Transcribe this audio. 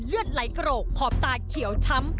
เลือดไหลโกรกขอบตาเขียวช้ำ